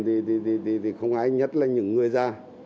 thì không ai nhất là những người ra